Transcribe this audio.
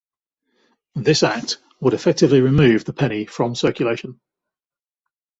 This act would effectively remove the penny from circulation.